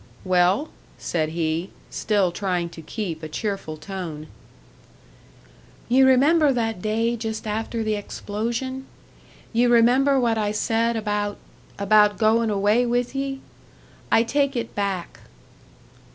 "Well?" said he, still trying to keep a cheerful tone. "Ye remember that day just after the explosion? Ye remember what I said about about goin' away with ye? I take it back."